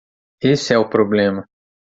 Esse é o problema.